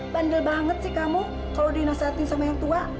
bandel banget sih kamu kalau dinasehati sama yang tua